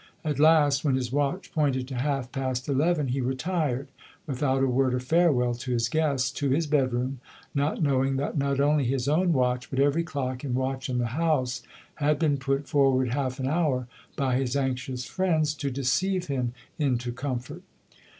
At last, when his watch pointed to half past eleven, he retired, without a word of farewell to his guests, to his bedroom, not knowing that not only his own watch, but every clock and watch in the house had been put forward half an hour by his anxious friends, "to deceive him into comfort."